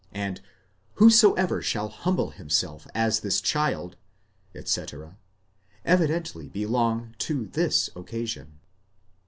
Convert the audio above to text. and Whosoever shall humble himself as this child, etc., evidently belong to this occasion.